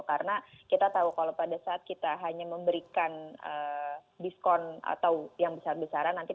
karena kita tahu kalau pada saat kita hanya memberikan diskon atau yang besar besaran